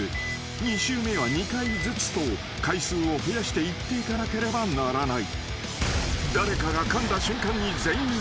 ［２周目は２回ずつと回数を増やして言っていかなければならない］